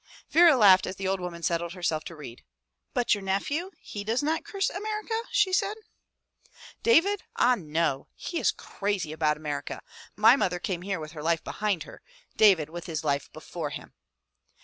" Vera laughed as the old woman settled herself to read. "But your nephew, he does not curse America?" she said. "David — ah, no! He is crazy about America. My mother came here with her life behind her, David with his life before him!"